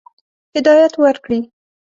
هدایت ورکړي.